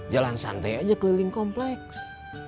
jalan santai aja keliling kompleks